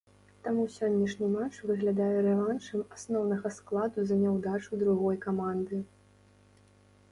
Таму сённяшні матч выглядае рэваншам асноўнага складу за няўдачу другой каманды.